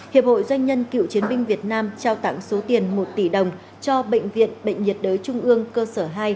hiệp hội doanh nhân cựu chiến binh việt nam trao tặng số tiền một tỷ đồng cho bệnh viện bệnh nhiệt đới trung ương cơ sở hai